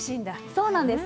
そうなんです。